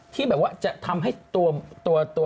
ที่แบบว่าจะทำให้ตัว